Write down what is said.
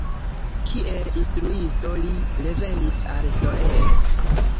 Kiel instruisto li revenis al Soest.